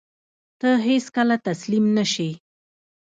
ته هېڅکله تسلیم نه شې.